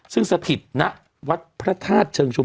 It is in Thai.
สวัสดีครับคุณผู้ชม